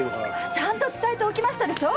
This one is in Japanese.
ちゃんと伝えておきましたでしょ？